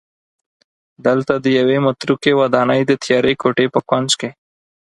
دلته د یوې متروکې ودانۍ د تیارې کوټې په کونج کې